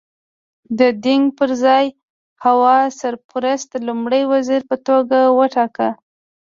د دینګ پر ځای هوا سرپرست لومړی وزیر په توګه وټاکه.